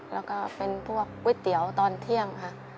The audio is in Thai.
แล้วก็เป็นพวกก๋วยเตี๋ยวตอนเที่ยงค่ะ